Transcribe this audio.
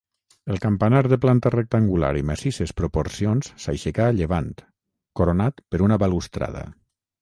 El campanar de planta rectangular i massisses proporcions s'aixecà a llevant, coronat per una balustrada.